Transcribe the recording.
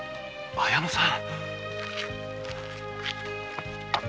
綾乃さん。